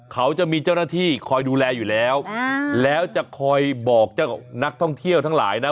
เขาจะมีเจ้าหน้าที่คอยดูแลอยู่แล้วแล้วจะคอยบอกเจ้านักท่องเที่ยวทั้งหลายนะ